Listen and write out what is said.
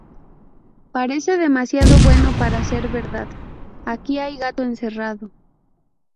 Parece demasiado bueno para ser verdad. Aquí hay gato encerrado